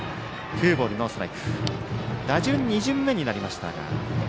打順は２巡目になりましたが。